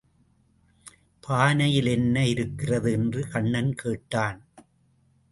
பானையில் என்ன இருக்கிறது? என்று கண்ணன் கேட்டான்.